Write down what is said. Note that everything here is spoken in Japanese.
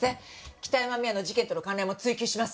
北山未亜の事件との関連も追及します。